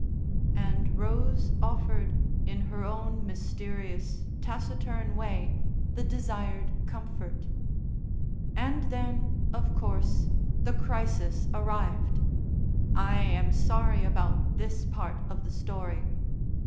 And Rose offered in her own mysterious, taciturn way the desired comfort. And then, of course, the crisis arrived. I am sorry about this part of the story.